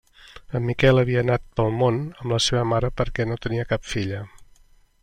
En Miquel havia anat pel món amb la seva mare perquè no tenia cap filla.